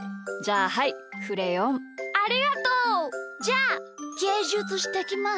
ありがとう！じゃあゲージュツしてきます。